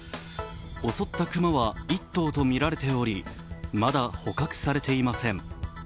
襲った熊は１頭とみられておりまだ捕獲されていません。